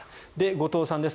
後藤さんです。